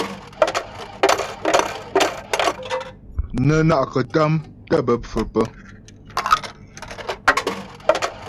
Nə́ na'kətàm tə́ bə́ pfə̌ pə́.